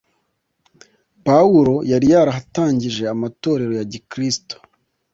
Pawulo yari yarahatangije amatorero ya gikristo